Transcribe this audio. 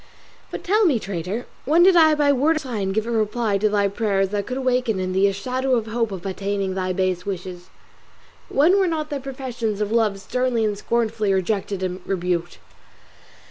But tell me, traitor, when did I by word or sign give a reply to thy prayers that could awaken in thee a shadow of hope of attaining thy base wishes? When were not thy professions of love sternly and scornfully rejected and rebuked?